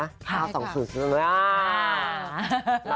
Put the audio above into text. รับราชา